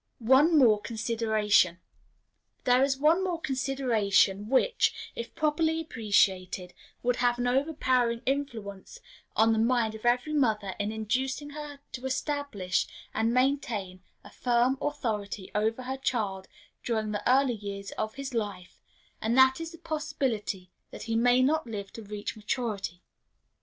One more Consideration. There is one consideration which, if properly appreciated, would have an overpowering influence on the mind of every mother in inducing her to establish and maintain a firm authority over her child during the early years of his life, and that is the possibility that he may not live to reach maturity.